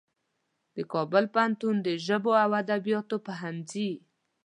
د کابل پوهنتون د ژبو او ادبیاتو پوهنځي